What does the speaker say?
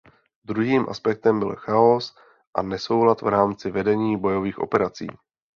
Druhým aspektem byl chaos a nesoulad v rámci vedení bojových operací.